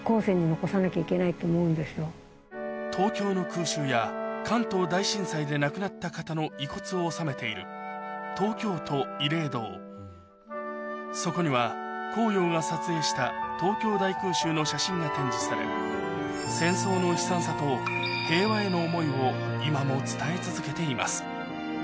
東京の空襲や関東大震災で亡くなった方の遺骨を納めているそこには光陽が撮影したが展示され戦争の悲惨さと平和への思いを今も伝え続けています